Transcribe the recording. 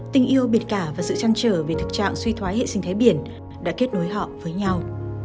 tình yêu biệt cả và sự trăn trở về thực trạng suy thoái hệ sinh thái biển đã kết nối họ với nhau